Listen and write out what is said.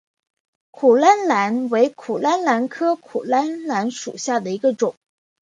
苦槛蓝为苦槛蓝科苦槛蓝属下的一个种。